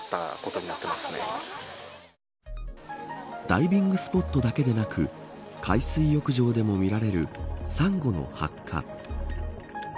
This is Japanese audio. ダイビングスポットだけでなく海水浴場でも見られるサンゴの白化。